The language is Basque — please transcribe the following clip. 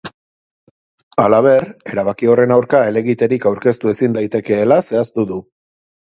Halaber, erabaki horren aurka helegiterik aurkeztu ezin daitekeela zehaztu du.